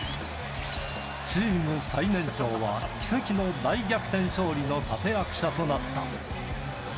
チーム最年長が奇跡の大逆転勝利の立て役者となった。